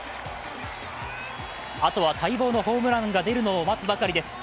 あとは待望のホームランが出るのを待つばかりです。